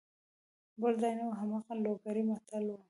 بل ځای نه وو هماغه لوګری متل وو.